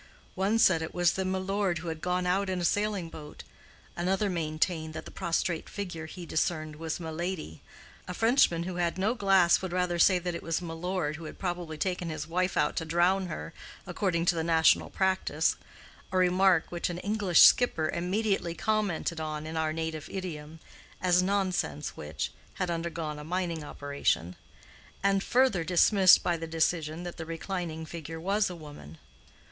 One said it was the milord who had gone out in a sailing boat; another maintained that the prostrate figure he discerned was miladi; a Frenchman who had no glass would rather say that it was milord who had probably taken his wife out to drown her, according to the national practice—a remark which an English skipper immediately commented on in our native idiom (as nonsense which—had undergone a mining operation), and further dismissed by the decision that the reclining figure was a woman.